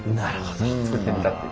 作ってみたっていう。